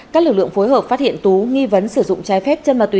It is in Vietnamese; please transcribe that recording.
các lực lượng phối hợp phát hiện tú nghi vấn sử dụng trái phép chân ma túy